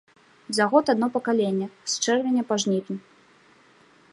За год адно пакаленне з з чэрвеня па жнівень.